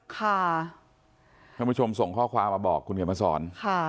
คุณผู้ชมส่งข้อความมาบอกคุณเก่งมาสอน